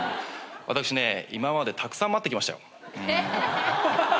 私ね今までたくさん待ってきましたよ。